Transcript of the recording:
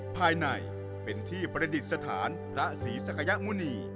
ภายในเป็นที่ประดิษฐานพระศรีศักยมุณี